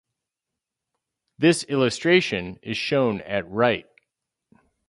This illustration is shown at right.